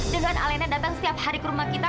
dengan alena datang setiap hari ke rumah kita